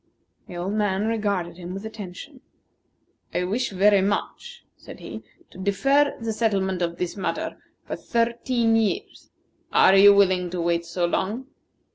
The old man regarded him with attention. "I wish very much," said he, "to defer the settlement of this matter for thirteen years. Are you willing to wait so long?"